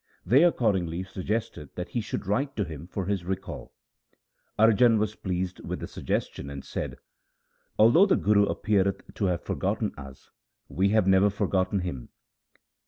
They accordingly suggested that he should write to him for his recall. Arjan was pleased with the suggestion and said, ' Although the Guru appeareth to have forgotten us, we have never forgotten him.'